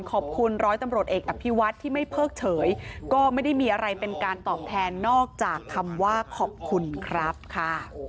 ร้อยตำรวจเอกอภิวัฒน์ที่ไม่เพิกเฉยก็ไม่ได้มีอะไรเป็นการตอบแทนนอกจากคำว่าขอบคุณครับค่ะ